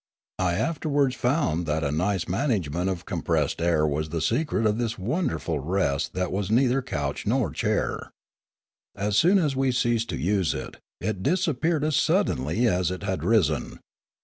I afterwards found that a nice nlanagement of compressed air was the secret of this wonderful rest that was neither couch nor chair. As soon as we ceased to use it, it disappeared as suddenly as it had risen.